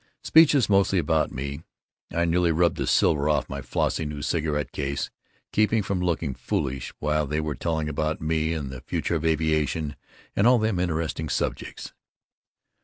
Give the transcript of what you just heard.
Speeches mostly about me, I nearly rubbed the silver off my flossy new cigarette case keeping from looking foolish while they were telling about me and the future of aviation and all them interesting subjects.